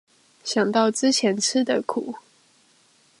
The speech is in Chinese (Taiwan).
想到之前吃的苦